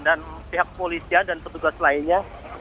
dan pihak kepolisian dan petugas lainnya